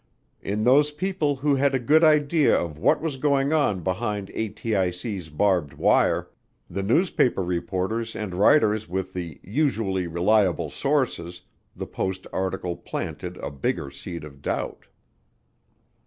In those people who had a good idea of what was going on behind ATIC's barbed wire, the newspaper reporters and writers with the "usually reliable sources," the Post article planted a bigger seed of doubt.